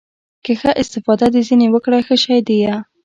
که ښه استفاده دې ځنې وکړه ښه شى ديه.